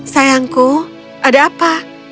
sayangku ada apa